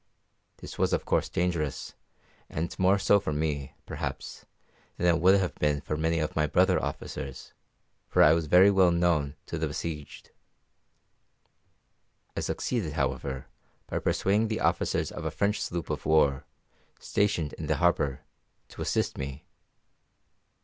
This was, of course, dangerous, and more so for me, perhaps, than it would have been for many of my brother officers, for I was very well known to the besieged. I succeeded, however, by persuading the officers of a French sloop of war, stationed in the harbour, to assist me.